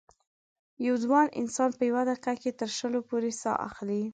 یو ځوان انسان په یوه دقیقه کې تر شلو پورې سا اخلي.